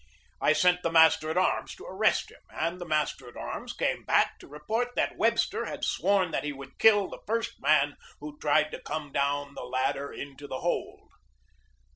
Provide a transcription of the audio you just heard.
I sent the master at arms to arrest him, and the master at arms came back to report that Webster had sworn that he would kill the first man who tried to come down the ladder into the hold.